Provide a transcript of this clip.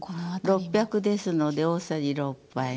６００ですので大さじ６杯ね。